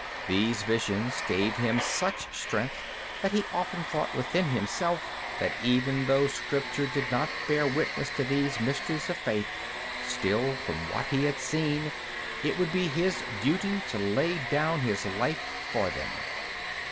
These visions gave him such strength that he often thought within himself, that even though Scripture did not bear witness to these mysteries of faith, still, from what he had seen, it would be his duty to lay down his life for them.